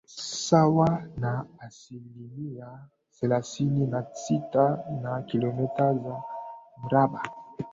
sawa na asilimia thelathini na sita na Kilomita za mraba